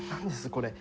これ。